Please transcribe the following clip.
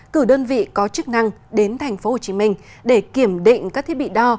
cử đơn vị có chức năng đến tp hcm để kiểm định các thiết bị đo